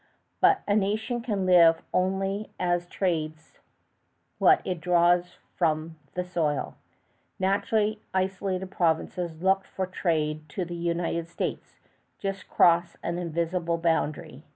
But a nation can live only as it trades what it draws from the soil. Naturally, the isolated provinces looked for trade to the United States, just across an invisible boundary.